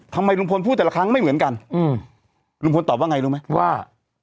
ทำไมลุงพลพูดแต่ละครั้งไม่เหมือนกันอืมลุงพลตอบว่าไงรู้ไหมว่า